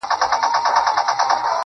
د ميني درد,